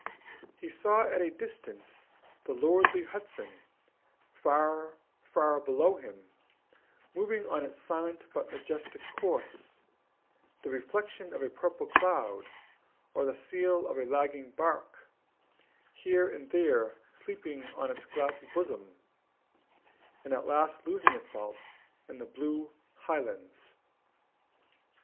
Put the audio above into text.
He saw at a distance the lordly Hudson, far, far below him, moving on its silent but majestic course, with the reflection of a purple cloud, or the sail of a lagging bark, here and there sleeping on its glassy bosom, and at last losing itself in the blue highlands.